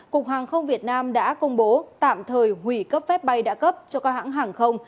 cục hàng không việt nam đã công bố tạm thời hủy cấp phép bay đã cấp cho các hãng hàng không